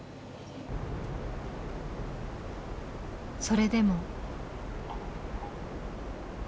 それでも。